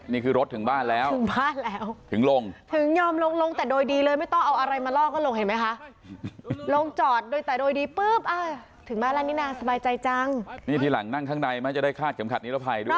นี่คือรถถึงบ้านแล้วถึงบ้านแล้วถึงลงถึงยอมลงลงแต่โดยดีเลยไม่ต้องเอาอะไรมาล่อก็ลงเห็นไหมคะลงจอดโดยแต่โดยดีปุ๊บอ่ะถึงบ้านแล้วนี่นางสบายใจจังนี่ทีหลังนั่งข้างในไหมจะได้คาดเข็มขัดนิรภัยด้วย